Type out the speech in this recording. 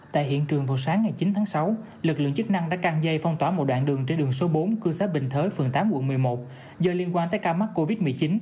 tại hiện trường vào sáng ngày chín tháng sáu lực lượng chức năng đã căng dây phong tỏa một đoạn đường trên đường số bốn cư xá bình thới phường tám quận một mươi một do liên quan tới ca mắc covid một mươi chín